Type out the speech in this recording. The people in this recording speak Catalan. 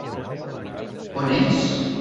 On ets?